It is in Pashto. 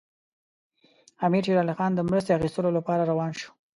امیر شېر علي خان د مرستې اخیستلو لپاره روان شو.